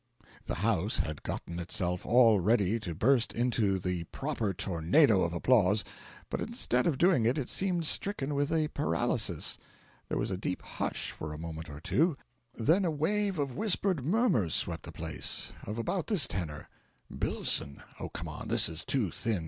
The house had gotten itself all ready to burst into the proper tornado of applause; but instead of doing it, it seemed stricken with a paralysis; there was a deep hush for a moment or two, then a wave of whispered murmurs swept the place of about this tenor: "BILLSON! oh, come, this is TOO thin!